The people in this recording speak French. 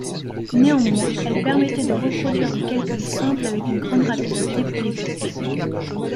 Néanmoins, elle permettait de reproduire des calculs simples avec une grande rapidité, pour l'époque.